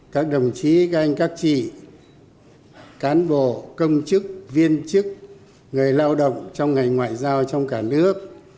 các đồng chí các anh các chị cán bộ công chức viên chức người lao động trong ngành ngoại giao trong cả nước